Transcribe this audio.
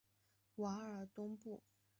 瓦尔东布。